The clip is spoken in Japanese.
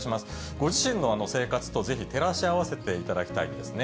ご自身の生活とぜひ照らし合わせていただきたいんですね。